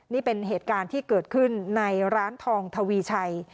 นี่เป็นเหตุการณ์ที่เกิดขึ้นในร้านทองทวีชัย